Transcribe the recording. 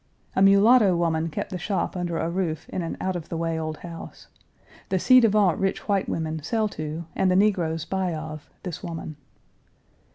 A mulatto woman kept the shop under a roof in an out of the way old house. The ci devant rich white women sell to, and the negroes buy of, this woman.